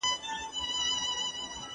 د ښارونو پراختیا باید بې پلانه ونه سي.